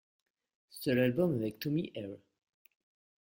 Seul album avec Tommy Eyre.